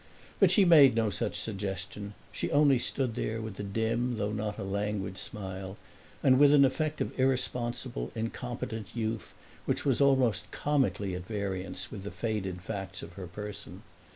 But she made no such suggestion; she only stood there with a dim, though not a languid smile, and with an effect of irresponsible, incompetent youth which was almost comically at variance with the faded facts of her person.